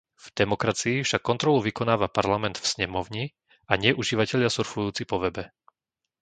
V demokracii však kontrolu vykonáva Parlament v snemovni, a nie užívatelia surfujúci po webe.